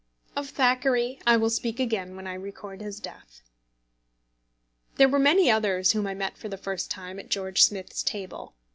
Of Thackeray I will speak again when I record his death. There were many others whom I met for the first time at George Smith's table.